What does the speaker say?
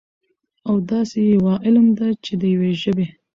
او داسي يوه علم ده، چې د يوي ژبې